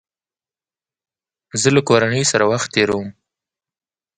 زه له کورنۍ سره وخت تېرووم.